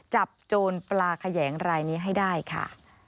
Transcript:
โจรปลาแขยงรายนี้ให้ได้ค่ะ